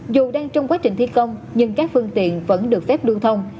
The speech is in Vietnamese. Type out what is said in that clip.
dù đang trong quá trình thi công nhưng các phương tiện vẫn được phép lưu thông